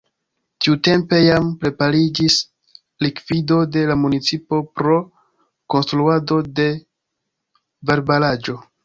Tiutempe jam prepariĝis likvido de la municipo pro konstruado de valbaraĵo.